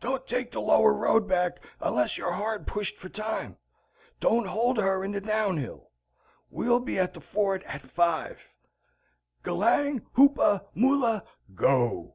"Don't take the lower road back onless you're hard pushed for time! Don't hold her in down hill! We'll be at the ford at five. G'lang! Hoopa! Mula! GO!"